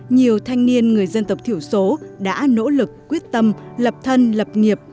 nhiều thanh niên người dân tộc thiểu số đã nỗ lực quyết tâm lập thân lập nghiệp